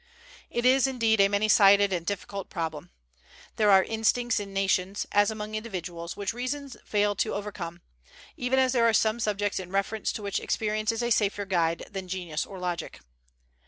It is indeed a many sided and difficult problem. There are instincts in nations, as among individuals, which reason fails to overcome, even as there are some subjects in reference to which experience is a safer guide than genius or logic.